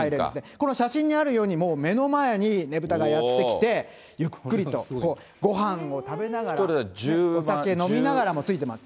この写真にあるように、もう目の前にねぶたがやって来て、ゆっくりとごはんを食べながら、お酒飲みながらもついてます。